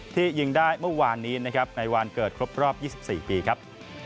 ที่ยิงได้เมื่อวานนี้นะครับในวันเกิดครบรอบ๒๔ปีครับ